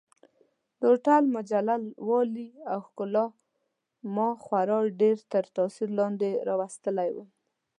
د هوټل مجلل والي او ښکلا ما خورا ډېر تر تاثیر لاندې راوستلی وم.